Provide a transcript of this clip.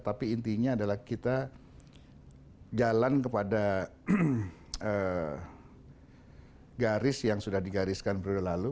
tapi intinya adalah kita jalan kepada garis yang sudah digariskan periode lalu